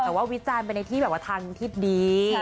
แต่ว่าวิจารณ์ไปในที่แบบว่าทางที่ดี